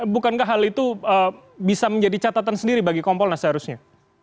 bukankah hal itu bisa menjadi catatan sendiri bagi kompolnas seharusnya